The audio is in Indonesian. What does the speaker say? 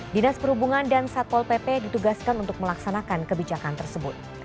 dinas perhubungan dan satpol pp ditugaskan untuk melaksanakan kebijakan tersebut